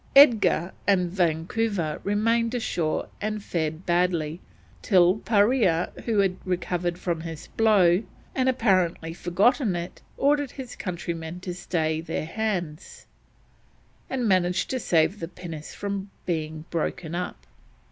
Edgar and Vancouver remained ashore and fared badly, till Parea, who had recovered from his blow and apparently forgotten it, ordered his countrymen to stay their hands, and managed to save the pinnace from being broken up.